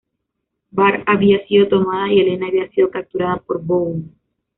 Bar había sido tomada y Elena había sido capturada por Bohun.